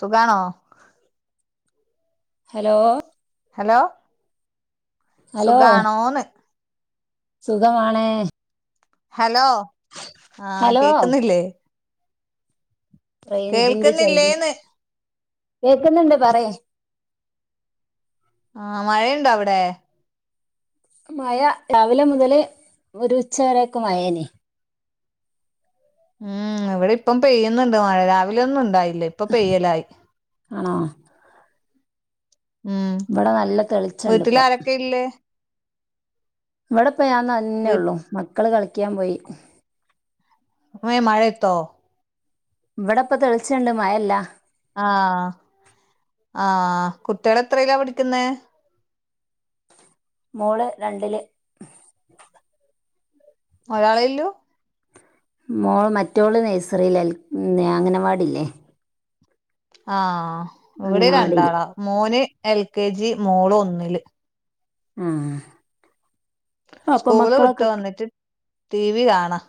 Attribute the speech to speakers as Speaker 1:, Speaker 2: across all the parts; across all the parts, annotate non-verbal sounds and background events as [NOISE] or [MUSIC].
Speaker 1: സുഖാണോ
Speaker 2: hello
Speaker 1: hello
Speaker 2: hello
Speaker 1: സുഖാണോന്ന്
Speaker 2: സുഖമാണ്
Speaker 1: ഹലോ ആ
Speaker 2: ഹലോ
Speaker 1: കേക്കുന്നില്ലേ
Speaker 2: റേഞ്ചിന്റെ ചെറിയ
Speaker 1: കേൾക്കുന്നില്ലേന്ന്
Speaker 2: കേക്കുന്നൊണ്ട് പറയ്
Speaker 1: ആ മഴയൊണ്ടവിടെ
Speaker 2: മയ രാവിലെ മൊതല് ഒരുച്ചവരെയൊക്കെ മഴേന്
Speaker 1: ഉം ഇവിടിപ്പം പെയ്യുന്നുണ്ട് മഴ രാവിലെ ഒന്നും ഉണ്ടായില്ല ഇപ്പപെയ്യലായി
Speaker 2: ആണോ
Speaker 1: ഉം
Speaker 2: ഇവിടെ നല്ല തെളിച്ചണ്ട് ഇപ്പൊ
Speaker 1: വീട്ടിലാരൊക്കെയുല്ലേ
Speaker 2: ഇവിടിപ്പൊ ഞാൻ
Speaker 1: വീ
Speaker 2: തന്നേയുള്ളു മക്കള് കളിക്കാൻപോയി
Speaker 1: അമ്മേ ഈ മഴയത്തോ
Speaker 2: ഇവിടെപ്പം തെളിച്ചെണ്ട് മഴയില്ല
Speaker 1: ആ ആ കുട്ടികളത്രേലാ പഠിക്കുന്നെ
Speaker 2: മോള് രണ്ടില്
Speaker 1: ഒരാളേയൊല്ലു
Speaker 2: മോള് മറ്റോള് നേഴ്സറിലല്ലേ അങ്ങനവാടിയില്ലേ
Speaker 1: ആ ഇവിടേം
Speaker 2: അംഗനവാടിയില്
Speaker 1: രണ്ടാളാ മോന് എൽ കെ ജി മോള് ഒന്നില്
Speaker 2: ഉം
Speaker 1: സ്കൂള് വിട്ടുവന്നിട്ട് ടിവി കാണാ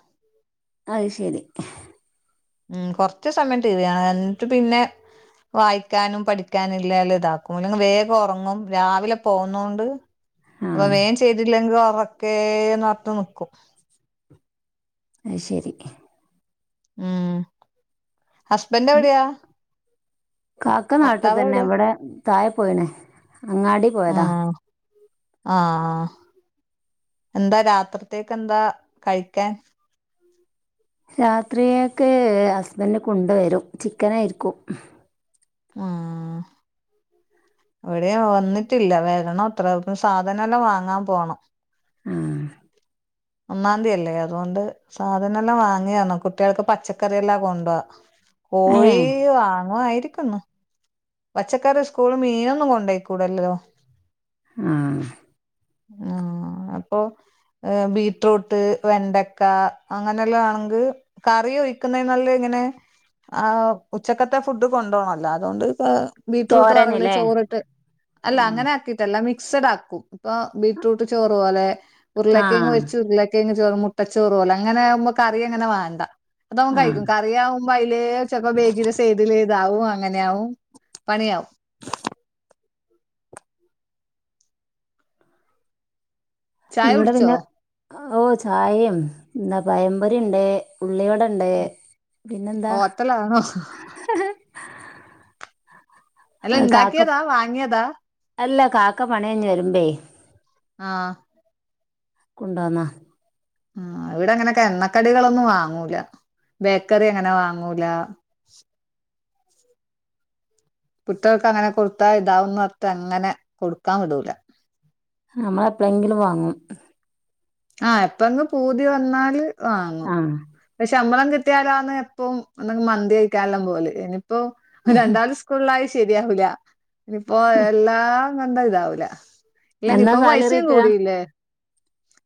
Speaker 2: അയ്ശെരി
Speaker 1: ഉം കൊറച്ചുസമയം ടിവി കാണും എന്നിട്ടുപിന്നെ വായിക്കാനും പഠിക്കാനും ഇല്ലാല്താക്കും അല്ലെങ്കിലും വേഗം ഒറങ്ങും രാവിലെ പോന്നോണ്ട് അപ്പൊ
Speaker 2: ആഹ്
Speaker 1: വേം ചെയ്തില്ലെങ്കിലും ഒറെക്കെന്നൊർത്തു നിക്കും
Speaker 2: അയ്ശെരി
Speaker 1: ഉം ഹസ്ബന്റെവിടെയാ
Speaker 2: കാക്ക നാട്ടിതന്നെയാ
Speaker 1: എവിടെയാ
Speaker 2: ഇവടെ താഴെപോയിണ് അങ്ങാടി
Speaker 1: അ
Speaker 2: പോയതാ
Speaker 1: ആ എന്താ രാത്രിത്തേക്കെന്താ കഴിക്കാൻ
Speaker 2: രാത്രിയേക്കെ ഹസ്ബന്റുകൊണ്ടുവരും ചിക്കനായിരിക്കും
Speaker 1: ആ അവിടേം വന്നിട്ടില്ല വരണോത്രേ സാധനെല്ലാം വാങ്ങാൻ പോണം
Speaker 2: ഉം
Speaker 1: ഒന്നാന്തിയല്ലേ അതുകൊണ്ട് സാധനെല്ലാം വാങ്ങിയേർന്നു കുട്ടിയേൾക്ക് പച്ചക്കറിയെല്ലാം കൊണ്ടാ
Speaker 2: ഏ
Speaker 1: കോഴി വാങ്ങുവായിരിക്കുന്ന് പച്ചക്കറി സ്കൂള് മീനൊന്നും കൊണ്ടോയ്ക്കൂടല്ലോ
Speaker 2: ഉം
Speaker 1: ആഹ് അപ്പൊ ഏഹ് ബീട്രൂട്ട് വെണ്ടക്ക അങ്ങനെല്ലാം ആണെങ്ക് കറി ഒഴിക്കുന്നേനും നല്ലേ ഇങ്ങനെ ആഹ് ഉച്ചക്കത്തെ ഫുഡ് കൊണ്ടോണല്ലോ അതൊണ്ട് ഇപ്പ ബീറ്റ്റൂട്ടറവില്
Speaker 2: തോരനില്ലേ
Speaker 1: ചോറിട്ട് അല്ല അങ്ങനെ ആക്കീട്ടല്ല മിക്സഡ് ആക്കും ഇപ്പൊ ബീടറൂട്ട് ചോറ് പോലെ
Speaker 2: ആ
Speaker 1: ഉരുളക്കേങ് വെച്ച് ഉരുളക്കെങ് ചോറ് മുട്ടച്ചോറ് പോലേ അങ്ങനെ ആമു കറി അങ്ങനെ വാണ്ടാ അതാവും
Speaker 2: ആ
Speaker 1: കഴിക്കും കറി ആവും വൈലേച്ചക്കെ ബേഗില് സൈഡില് ഇതാവും അങ്ങെനാവും പണിയാവും ചായ
Speaker 2: ഇവടെ
Speaker 1: കുടിച്ചോ
Speaker 2: പിന്നെ ഓഹ് ചായേം ന്താ പയമ്പൊരിണ്ട് ഉള്ളിവടണ്ട്
Speaker 1: ഹോത്തലാണോ അല്ലാ ണ്ടാക്കിയതാ വാങ്ങിയതാ
Speaker 2: അല്ലാ കാക്ക പണൈഞ് വെരുമ്പേ
Speaker 1: ആഹ്
Speaker 2: കൊണ്ടാന്നാ
Speaker 1: ആഹ് ഇവിടെ അങ്ങനെ ക്കെ എണ്ണക്കടികളൊന്നും വാങ്ങൂല ബേക്കറി അങ്ങനെ വാങ്ങൂല കുട്ട്യാൾക്ക് അങ്ങനെ കൊടുത്താ ഇതാവന്ന് അത്തെ അങ്ങനെ കൊടുക്കാൻ വ്ടൂല
Speaker 2: നമ്മളെപ്ലെങ്കിലും വാങ്ങും
Speaker 1: ആഹ് എപ്പെങ്കി പൂതി വന്നാല് വാങ്ങും
Speaker 2: ആ
Speaker 1: ക്ഷമ്പളം കിട്ടിയാലാന്ന് പ്പൊ മന്തി കഴിക്കെല്ലാം പോല് ഇനിയിപ്പോ രണ്ടാളും സ് കൂള്ളായി ശരിയാവൂല ഇനിപ്പോ എല്ലാം നന്താ ഇതാവൂല ഇല്ലെഞ്ഞി
Speaker 2: എന്നാ
Speaker 1: പ്പൊ
Speaker 2: സാലറി
Speaker 1: പൈസേം
Speaker 2: കിട്ടുക
Speaker 1: കൂടിയില്ലേ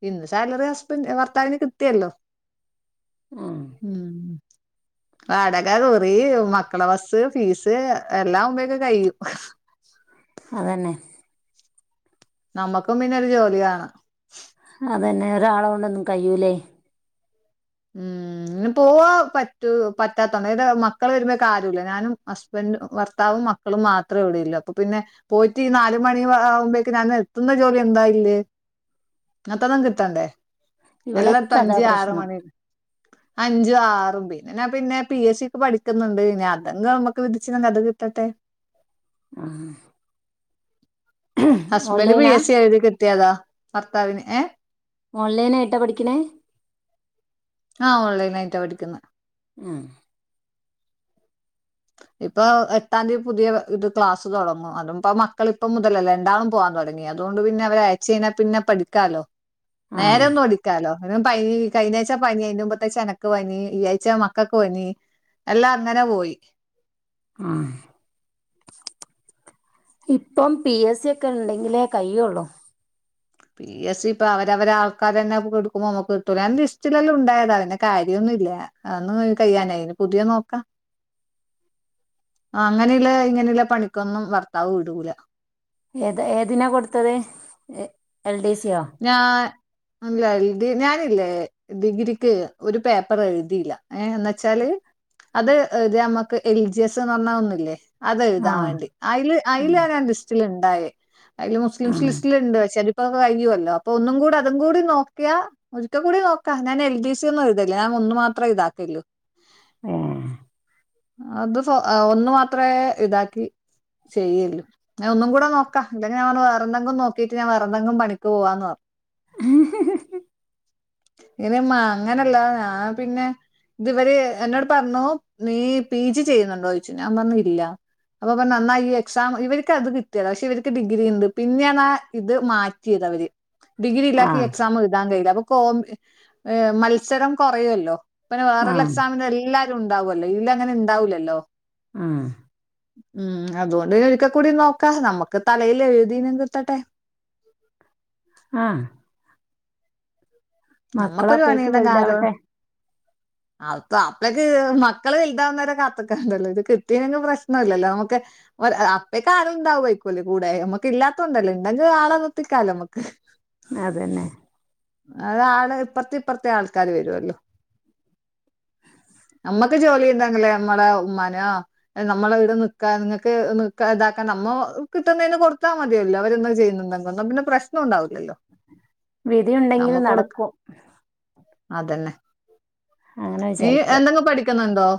Speaker 1: ഇൻ സാലറി ഹസ്ബൻഡ് ഭർത്താവിന് കിട്ടിയല്ലോ
Speaker 2: ആഹ്
Speaker 1: ഉം വാടക കുറി മക്കളെ ബസ്സ് ഫീസ് എല്ലാം ആവുംമ്പേക്കെ കയ്യും
Speaker 2: അതന്നെ
Speaker 1: നമ്മക്കും പിന്നെ ഒരു ജോലിവാണം
Speaker 2: അതെന്നെ ഒരാലോടൊന്നും കയ്യൂല്ലേ
Speaker 1: ഉം ഇന്ന് പോവാൻ പറ്റു പറ്റാത്തോണ്ടാ അതേത് മക്കള് വരുമ്പേക്ക് ആരൂല്ലാ ഞാനും ഹസ്ബൻഡും ഭർത്താവും മക് ക്കളും മാത്രള്ളൂ ല്ലേ അപ്പൊ പിന്നെ പോയിട്ട് ഈ നാല് മണി ആവുമ്പോക്ക് ഞാന് എത്തുന്ന ജോലി എന്താ ഇല്ലേ ങ്തതും കിട്ടണ്ടേ എല്ലാട്ത്തും
Speaker 2: ഇവിടൊക്കെ അതാ
Speaker 1: അഞ്ച് ആറ്
Speaker 2: പ്രശ്നം
Speaker 1: മണി അഞ്ച് ആറും നാ പിന്നെ ഞാൻ പിന്നെ പി എസ് സിക്ക് പഠിക്കുന്നുണ്ട് ഞാ അതെങ് നമ്മക്ക് വിധിച്ച്ങ്ങ അത് കിട്ടെട്ടേ
Speaker 2: ആഹ്
Speaker 1: ഹസ്ബൻഡ് പി എസ് സി എഴുതി കിട്ടിയതാ ഭർത്താവിന് ഏഹ്
Speaker 2: ഓൺലൈനായിട്ടാ പഠിക്ക്ണേ
Speaker 1: ആ ഹ് ഓൺലൈനായിട്ടാ പഠിക്കുന്നേ
Speaker 2: ഉം
Speaker 1: ഇപ്പൊ എട്ടാംന്തി പുതിയ ഇത് ക്ലാസ് തൊടങ്ങും അതുംപ്പൊ മക്കളിപ്പം മുതലല്ലേ രണ്ടാളും പോവാൻ തൊടങ്ങി നി അതൊണ്ട് പിന്നെ അവരേയച്ച് കയ്ഞ്ഞാ പിന്നെ പഠിക്കാലോ
Speaker 2: ആ
Speaker 1: നേരം പോ ക്കാലോ ഒന് പനി കഴഞ്ഞാഴ്ച്ച പനി അയ്ന്റെ മുംമ്പത്തേഴ്ച്ചാ എനക്ക് പനി ഈ ആഴ്ച്ചാ മക്കക്ക് പനി എല്ലാ അങ്ങനെ പോയി
Speaker 2: ആഹ് ഇപ്പം, പി, എസ്, സി, ഒക്കെ ണ്ടെങ്കിലേ കയ്യുള്ളൂ.
Speaker 1: പി എസ് സി ഇപ്പൊ അവരവര് ആൾക്കാർ തന്നെ എടുക്കുമ്പോ നമ്മുക്ക് കിട്ടൂല അത്‌ ലിസ്റ്റിൽ തന്നെ ഉണ്ടായത അതിന്റെ കാര്യൊന്നും ഇല്ല. അന്ന് കയ്യാനായി ഇനി പുതിയ നോക്കാം ആഹ്‌, അങ്ങനെയുള്ള ഇങ്ങനെയുള്ള പണിക്കൊന്നും ഭർത്താവ് വിടൂല.
Speaker 2: ഏത് ഏതിനാ കൊടുത്തത് എൽ ഡി സിയോ.
Speaker 1: ഞാൻ ല്ല എഴതി ഞാനില്ലേ ഡിഗ്രിക്ക് ഒരു പേപ്പർ എഴുതില്ല. ഏ എന്ന വെച്ചാല് അത്ത് നമ്മക്ക് എൽ ജി എസ് എന്ന് പറഞ്ഞ ഒന്നല്ലേ. അത്
Speaker 2: ആ
Speaker 1: എഴുതാൻ വേണ്ടി അതില് അതി
Speaker 2: ആ
Speaker 1: ലാ ഞാൻ ലിസ്റ്റിൽ ഉണ്ടായേ. അതില്
Speaker 2: ആ
Speaker 1: മുസ്ലിംസ് ലിസ്റ്റിലുണ്ട് പക്ഷെ അതിപ്പോ കഴിയുവല്ലോ അപ്പൊ ഒന്നും കൂടി അതും കൂടി നോക്കിയാ. ഒരിക്കൽ കൂടി നോക്കാം ഞാൻ എൽ ഡി സി ഒും ഇതല്ല ഞൻ ഒന്ന് മാത്രേ എഴുതതൊള്ളൂ.
Speaker 2: ഉം
Speaker 1: അത് ഒന്ന് മാത്രമേ ഇതാക്കി. ചെയ്യല് ഞാ ഒന്ന കൂടെ നോക്കാം. ഇല്ലെങ്കില് ഞവേറെന്തങ്കിലും നോക്കിട്ട് ഞാൻ. എന്ത ങ്കും പണിക്ക് പോവാന്ന് പറഞ്ഞ.
Speaker 2: [UNINTELLIGIBLE]
Speaker 1: ഇനി മ്മ അങ്ങനല്ല ഞാൻ പിന്നെ. ഇതി വര് എന്നോട് പറഞ്ഞു നീ പി ജി ചെയ്യുന്നുണ്ടോ? ചോദിച്ചു. ഞാൻ പറഞ് ഇല്ല. അപ്പൊ പറഞ്ഞു ന്നാ ഈ എക്സാം ഇവർക്ക് അത് കിട്ടിയാല പക്ഷെ ഇവർക്ക് ഡിഗ്രി ഉണ്ട് പിന്നെയ ഇത്. മാറ്റിയത് അവര് ഡിഗ്രി ഇല്ല
Speaker 2: ആ
Speaker 1: ക്ക് എക്സാം എഴുതാൻ കഴിയില്ല അപ്പ കോ. ഏ, മത്സരം കുറയ ല്ലോ? പിന്നെ
Speaker 2: ആ
Speaker 1: വേറള്ള
Speaker 2: ആ
Speaker 1: എക്സാമിന്റെ എല്ലാ. ഉണ്ടാവല്ലോ ഇതില അങ്ങനെ ഉണ്ടാവില്ലല്ലോ.
Speaker 2: [UNINTELLIGIBLE]
Speaker 1: ഉം അതുകൊണ്ട് ഒരിക്കൽ കൂടി നോക്കാ നമുക്ക് തലയില് എഴുതി നും കിട്ടട്ടെ. [INAUDIBLE]
Speaker 2: ആഹ്‌
Speaker 1: നമ്മക്കൊരു
Speaker 2: മക്കളപ്പഴേക്ക്
Speaker 1: വണീണ്ടെങ്കി ആരോ.
Speaker 2: വലുതാവട്ടെ
Speaker 1: അപ്പ അപ്പഴക്ക് മക്കൾ വലുതാവുന്നവരെ കാത് ക്കണ്ടല്ലോ ഇത് കിട്ടീല്ലെ ങ്കിലും പ്രശ്നം ഇല്ലല്ലോ നമുക്ക്. ഒരു അപ്പേക് ആൾ ഉണ്ടാവു യിക്കൂല്ലേ കൂടെ നമ്മക്ക് ഇല്ലാതത് കൊണ്ടല്ലേ ഉണ്ടെങ്കിൽ ആളെ നിർത്തിക്കാലോ നമ്മുക്ക്.
Speaker 2: അത് തന്നെ.
Speaker 1: അത് ആള് ഇപ്പറത്തെ ഇപ്പറത്തെ ആൾക്കാര് വരു ല്ലോ. നമ്മക്ക് ജോലി ചെയ്തങ്കിലേ നമ്മടെ ഉമ്മാനാ. നമ്മള ഇവിട് നിക്കാ നിങ്ങൾക്ക് നിക്ക താക്കാൻ നമ്മ കിട്ടുന്നതിന് കൊടുത്താൽ മതിയല്ലോ അവര്ന്താ ചെയ്യുന്നുണ്ട. വന്നാ പിന്ന പ്രശ്നം ഉണ്ടാവില്ലല്ലോ.
Speaker 2: വിധിയുണ്ടെങ്കിൽ നടക്കും.
Speaker 1: അതെന്നെ
Speaker 2: അങ്ങനെ
Speaker 1: നീ
Speaker 2: വിചാരിക്കുക
Speaker 1: എന്തെങ്കും പഠിക്കുന്നുണ്ടോ.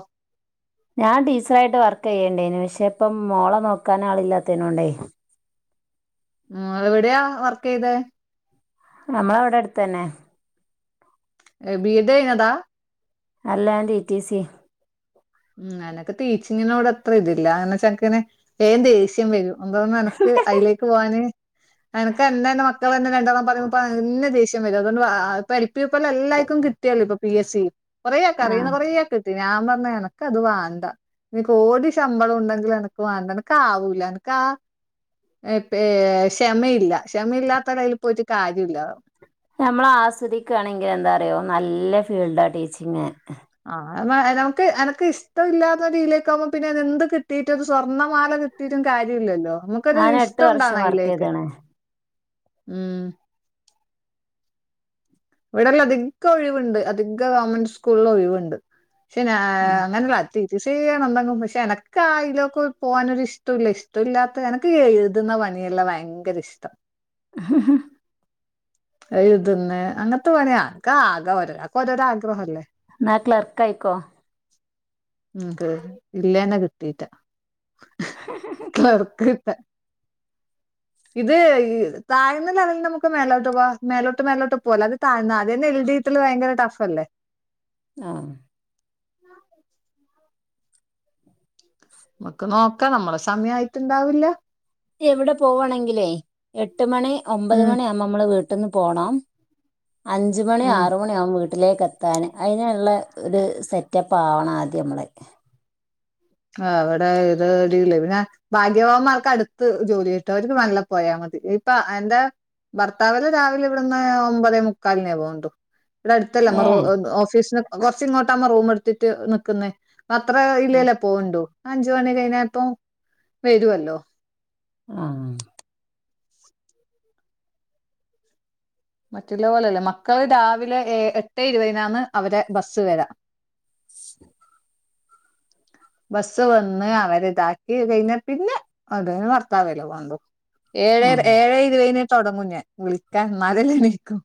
Speaker 2: ഞാൻ ടീച്ചറ യിട്ട് വർക്ക് ചെയ്യേണ്ടേന് പക്ഷെ ഇപ്പം മോള നോക്കാൻ ആളില്ലാത്ത നോണ്ടേ.
Speaker 1: ഉം, എവിടെയാ വർക്ക് ചെയ്ത.
Speaker 2: നമ്മളവിടെ അടുത്ത് തന്നെ.
Speaker 1: ഏ. ബി എഡ് കഴിഞ്ഞതാ.
Speaker 2: അല്ല ഞാൻ ടി റ്റി സി. യാ
Speaker 1: ഉം അനക്ക് ടീച്ചിങ്ങിനോട് അത്ര ഇതില്ല അങ്ങനെ ചക്കന് വേഗം ദേഷ്യം വരും ന്താ എനക്ക് അതിലേക്ക് പോകാന്. എനിക്ക് എന്റെ തന്നെ മക്കൾ തന്നെ രണ്ടാലും പറയ്മ്പോൾ തന്നെ ദേഷ്യം വരും അതുകൊണ്ട് ആ പഠിപ്പിയെ പോലെ എല്ലാവർക്കും. കിട്ട കിട്ടി യല്ലോ ഇപ്പൊ പി എസ് സി കുറേയാക്കെ അറിയുന്ന
Speaker 2: ആഹ്
Speaker 1: കുറേയാക്ക കിട്ടിക്ണ് ഞാൻ പറഞ് എന അത് വേണ്ടാ കോടി ശമ്പളം ഉണ്ടെങ്കിലും എനിക്ക് വേണ്ട എനിക്ക് ആവൂല എനക്ക് ആ പ്പ ഈ ക്ഷമയില്ല ക്ഷമയില്ലാത്തടയിൽ പോയിട്ട് കാര്യമില്ലോ.
Speaker 2: നമ്മളാസ്വദിക്കാണെങ്കിൽ എന്താറയോ നല്ല ഫീൽഡാ ടീച്ചിങ്.
Speaker 1: ആഹ് നമുക്ക് എനക്ക് ഇഷ്ടമില്ലാത്ത രീതിയിലേക്ക് ആകുമ്പോ പിന്നെ അത് എന്ത് കിട്ടീട്ട് അത് സ്വർണ്ണമാല കി ട്ടീട്ടും കാര്യല്ലല്ലോ നമുക്കൊരു
Speaker 2: ഞാൻ എട്ട്
Speaker 1: ഇഷ്ടംണ്ടാവണ
Speaker 2: വർഷം വർക്ക്
Speaker 1: അതിലേക്ക്
Speaker 2: ചെയ്താണ്
Speaker 1: ഉം. ഇവിടെല്ല അധികം ഒഴിവുണ്ട് അധിക ഗവൺമെന്റ് സ്കൂളിൽ ഒഴിവുണ്ട് പക്ഷെ ഞാ അങ്ങനുള്ള. തിരി ചെയ്യണം എന്തെങ്കും പക്ഷെ എനക്കായിലൊക്കെ പോകാനൊരിഷ് ട്ടോല ഇഷ്ട്ടോല്ലാത്ത എനക് ക്ക്‌ എഴുതുന്ന പണിയെല്ലാം ഭയങ്കരിഷ്ട്ടാ
Speaker 2: ഹ ഹ
Speaker 1: എഴുതുന്നേ അങ്ങത്തെ പണിയാ അക്കാ ആകെ ഒരാക്ക്‌ ഓരോരാ ആഗ്രഹല്ലേ
Speaker 2: ന്നാ ക്ലർക്കായിക്കോ
Speaker 1: ങ്ക് ഇല്ലേന കിട്ടീട്ടാ ക്ലർക്ക് ഇത് താഴ്ന്ന ലെവലിന്നമുക്ക് മേലോട്ട് ട്ട് വാ മേലോട്ട് മേലോട്ട് പോല്ല അത് താഴ്ന്നെ അതു തന്നെ എൽ ഡിട്ടൽ ഭയങ്കര ടഫല്ലെ
Speaker 2: ആഹ്
Speaker 1: മക്ക് നോക്കാ നമ്മളെ സമയാ യിട്ടുണ്ടാവില്ല
Speaker 2: എവിടെ പോവാണെങ്കിലേ എട്ട് മണി ഒമ്പത്
Speaker 1: ഉം
Speaker 2: മണിആവുമ്പ മ്മള് വീട്ടിന്ന് പോണം അഞ്ച് മണി
Speaker 1: ഉം
Speaker 2: ആറ് മണി യാവും വീട്ടിലേക്ക് എത്താന് അയിനുള്ള ഒരു സെറ്റപ്പാവണം ആദ്യമ്മള്
Speaker 1: ആഹ് അവിടെ ഇത്ടിലേപിന ബാഗ്യവാമ്മാർക്ക് അടുത്ത് ജോലി കിട്ടു അവര്ക്ക് മെല്ലപ്പോയാമതി ഇപ്പൊ എന്താ ഭർത്താവിന് രാവിലെ ഇവിടുന്ന് ഒമ്പതേ മുക്കാലിനേ പോവണ്ടൂ
Speaker 2: ഏഹ്
Speaker 1: വിടടുത്തല്ലേമറൂമ് ഓഫീസിന് കൊറച്ചി ങ്ങോട്ടാമ്മ റൂമ് എടുത്തിട്ട് നിക്കുന്നേ അത്ര ഇല്ലലെ പോവണ്ടൂ അഞ്ച് മണി കഴിഞ്ഞാപ്പം വെരുവല്ലോ
Speaker 2: ആഹ്
Speaker 1: മറ്റുള്ള പോലെല്ല മക്കള് രാവിലെ എ എട്ടെ ഇരുപതിനാന്ന് അവരെ ബസ് വരാ
Speaker 2: [INAUDIBLE]
Speaker 1: ബസ്സ് വന്ന് അവരിതാക്കി കയിഞ്ഞാ പിന്നെ അതന് ഭർത്താവല്ലേ വേണ്ടു ഏഴേ
Speaker 2: ആഹ്
Speaker 1: ഏഴേരുപതിനേ തൊടങ്ങും ഞാൻ വിളിക്കാൻ ന്നാലല്ലേ എണീക്കൂ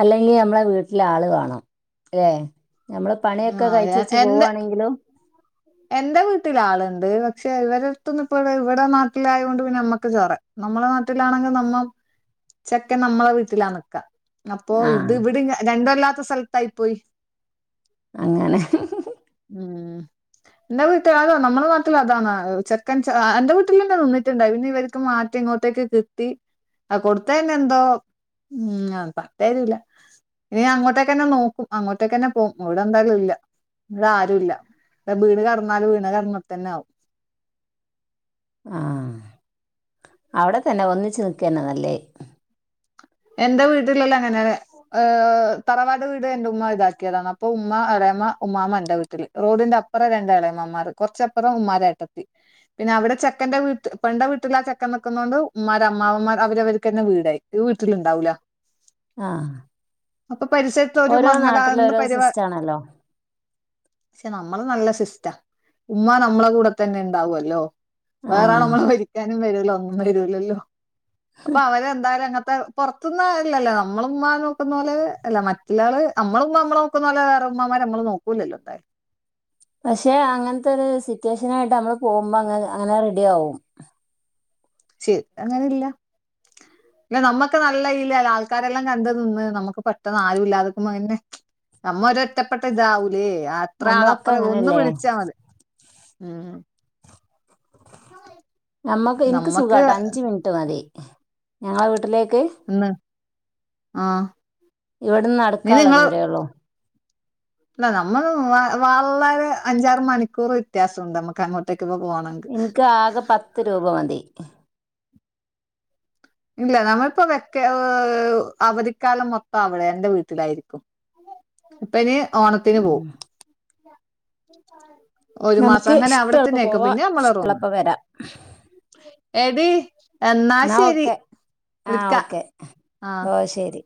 Speaker 2: അല്ലെങ്കിഅമ്മളെ വീട്ടില് ആള് വേണംല്ലേ നമ്മള് പണിയൊക്കെ
Speaker 1: ആഹ്
Speaker 2: കഴിച്ചെച്ച്
Speaker 1: എന്റെ
Speaker 2: പോവാണെങ്കിലും
Speaker 1: എന്റെ വീട്ടിലാള്ണ്ട് പക്ഷെ ഇവരിടുത്തുന്ന് ഇപ്പ ഇവിടെ നാട്ടിലായോണ്ട് പിന്നമ്മക്ക് ചോറ നമ്മളനാട്ടിലാണെങ്കി നമ്മ ചെക്കൻ നമ്മളെ വീട്ടിലാ നിക്കാ അപ്പൊ ഇത്
Speaker 2: ആഹ്
Speaker 1: ഇവിടെ രണ്ടുവല്ലാത്ത സ്ഥലത്തായിപ്പോയി
Speaker 2: അങ്ങനെ
Speaker 1: ഉം ന്റെ വീട്ടിലാതോ നമ്മുടെ നാട്ടിലും അതാണ് ചെക്കൻ ചെ അന്റെ വീട്ടിൽന്നെ നിന്നിട്ടുണ്ടായി പിന്നിവര്ക്ക് മാറ്റി ഇങ്ങോട്ടേക്ക് തിത്തി അ കൊടുത്തന്നെ എന്തോ ഉംയ പട്ടേലില്ല ഇനി ഞാൻ അങ്ങോട്ടേക്കന്നെ നോക്കും അങ്ങോട്ടേക്കന്നെ പോവും ഇവിടെ എന്തായാലും ഇല്ല ഇവിടാരൂല്ല വിടെ ബീണ് കടന്നാലും വീണ്‌ കടന്നടത്തന്നാവും
Speaker 2: ആഹ് അവിടെത്തന്നെ ഒന്നിച്ച് നിക്കന്നെ നല്ലേ
Speaker 1: എന്റെ വീട്ടിലല്ലങ്ങനന്നെ ഏ തറവാട് വീട് എന്റെ ഉമ്മ ഇതാക്കിയതാന് അപ്പൊ ഉമ്മ എളേമ്മ ഉമ്മാമ എന്റെ വീട്ടിൽ റോഡിന്റെപ്പറം രണ്ടളേമമാർ കുറച്ചപ്പറം ഉമ്മാരേട്ടത്തി പിന്നവടെ ചെക്കന്റെ വീട്ട് പെൺന്റെ വീട്ടില് ആ ചെക്കൻ നിക്ക്ന്നോണ്ട് ഉമ്മാരമ്മാവമ്മാ അവരവര്ക്കെന്നെ വീടായി ക്യുൽ ട്ടില്ണ്ടാവൂല
Speaker 2: ആഹ്
Speaker 1: അപ്പൊ പരിസരത്തൊരു മംഗലാന്ന്
Speaker 2: ഓരോ
Speaker 1: പരിവാ
Speaker 2: സിസ്റ്റം ആണല്ലോ
Speaker 1: ക്ഷെ നമ്മള് നല്ല സിസ്റ്റാ ഉമ്മ നമ്മളെ കൂടെത്തന്നെ ണ്ടാവല്ലോ
Speaker 2: ആ
Speaker 1: വേറാള്മ്മളെ ഭരിക്കാനും വരൂല ഒന്നും വരൂലല്ലോ അപ്പൊ അവരെന്തായാലും അങ്ങൻത്തെ പൊർത്ത്ന്നാരുല്ലല്ലോ നമ്മളുമ്മാനെ നോക്കുന്നോലെ അല്ല മറ്റുള്ളാള് അ മ്മളുമ്മ അമ്മളെ നോക്കുന്നോലെ വേറെ മ്മമ്മാര് നമ്മളെ നോക്കു ക്കൂലല്ലോന്തായാ
Speaker 2: പഷേ അങ്ങൻത്തൊര് സിറ്റേഷനായിട്ട് അമ്മള് പോവുമ്പോ അങ്ങ് അങ്ങനെ റെഡിയാവും
Speaker 1: ശെരിക്കങ്ങനെ ല്ല അല്ല നമ്മക്ക് നല്ല യ്ല് ആൾക്കാരെല്ലാം കണ്ട് നിന്ന് നമ്മക്ക് പെട്ടെന്ന് ആരും ല്ലാതക്കുമ്പോ അയന്നെ നമ്മ ഒരറ്റപ്പെട്ടതാവൂലേ അത്ര ആൾ
Speaker 2: നമ്മളൊക്കെ
Speaker 1: അപ്രേ ഒന്ന്
Speaker 2: അങ്ങനെയല്ലേ
Speaker 1: വിളിച്ചാ മതി ഉം ഉം
Speaker 2: ഞമ്മക്ക് ഇൻക്ക്
Speaker 1: നമ്മക്ക്
Speaker 2: സുഖാട്ടോ അഞ്ച് മിൻറ്റ് മതി ഞങ്ങളെ വീട്ടിലേക്ക്
Speaker 1: ന്ന് ആ നീ
Speaker 2: ഇവിടുന്നട്ക്കാള്ള
Speaker 1: നിങ്ങളെ
Speaker 2: ദൂരേ ള്ളൂ
Speaker 1: അല്ല നമ്മള് വാ വാള്ളരെ അഞ്ചാറ് മണിക്കൂർ വ്യത്യാസുണ്ട് നമ്മക്ക് അങ്ങോട്ടേക്കൊന്ന് പോണ
Speaker 2: ഇൻക്കാകെ പത്ത് രൂപ മതി
Speaker 1: ഇല്ല നമ്മളിപ്പോ വെക്കേ അവധിക്കാലം മൊത്തം അവടെ എന്റെ വീട്ടിലായിരിക്കും ഇപ്പനി ഓണത്തിന്
Speaker 2: ഉം.
Speaker 1: പോവും ഒരു മാസം
Speaker 2: നമുക്ക്
Speaker 1: അങ്ങനെ
Speaker 2: ഇഷ്ടമുള്ളപ്പോ
Speaker 1: അവിട്ത്തെന്നേക്കും
Speaker 2: പോവാ
Speaker 1: പിന്നെ ഞമ്മളെ റൂമ്
Speaker 2: ഇഷ്ടമുള്ളപ്പോ വരാം
Speaker 1: എടി എന്നാ ശെരി
Speaker 2: ആ ഓക്കെ ഓ ശെരി